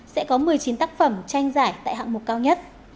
sẽ có một mươi chín tác phẩm tranh giải tại hạng mục cao nhất